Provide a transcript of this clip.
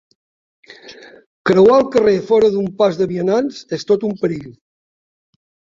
Creuar el carrer fora d'un pas de vianants és tot un perill.